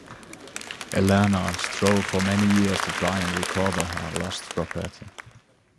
Eleanor strove for many years to try and recover her lost property.